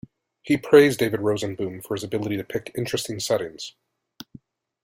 He praised David Rosenboom for his ability to pick interesting settings.